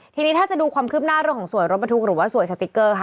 ทีนี้ถ้าจะดูความคืบหน้าเรื่องของสวยรถบรรทุกหรือว่าสวยสติ๊กเกอร์ค่ะ